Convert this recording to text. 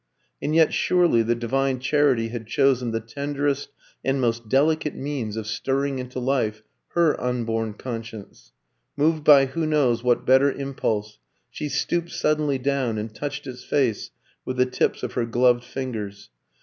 And yet surely the Divine Charity had chosen the tenderest and most delicate means of stirring into life her unborn conscience. Moved by who knows what better impulse, she stooped suddenly down and touched its face with the tips of her gloved fingers.